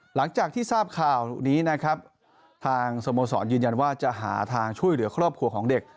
หลังจากที่ทราบข่าวนี้นะครับทางสโมสรยืนยันว่าจะหาทางช่วยเหลือครอบครัวของเด็ก